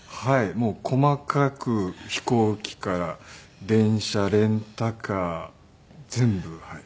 もう細かく飛行機から電車レンタカー全部はい。